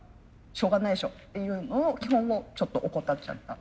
しょうがないでしょっていうのを基本をちょっと怠っちゃった。